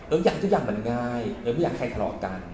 เอิ๊กอยากทุกอย่างเหมือนง่ายเอิ๊กไม่อยากใครทะเลาะกัน